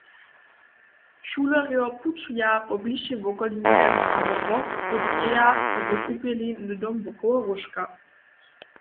Šulerjo pućuja po blišej wokolinje abo wochłódnjeja so w kupjeli hnydom wokoło róžka.